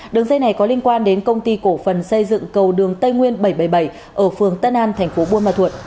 đường dây này có liên quan đến công ty cổ phần xây dựng cầu đường tây nguyên bảy trăm bảy mươi bảy ở phường tân an thành phố buôn ma thuột